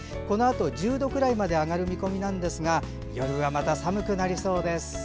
このあと１０度くらいまで上がる見込みなんですが夜はまた寒くなりそうです。